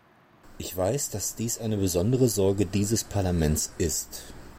Ich weiß, dass dies eine besondere Sorge dieses Parlaments ist.